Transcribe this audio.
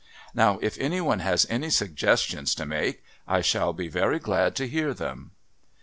Now if any one has any suggestions to make I shall be very glad to hear them."